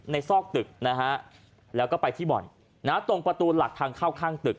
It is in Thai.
ซอกตึกนะฮะแล้วก็ไปที่บ่อนตรงประตูหลักทางเข้าข้างตึก